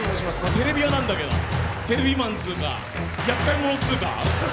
テレビ屋なんだけどテレビ屋というかやっかいものというか。